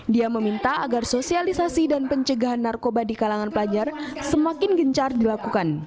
dia meminta agar sosialisasi dan pencegahan narkoba di kalangan pelajar semakin gencar dilakukan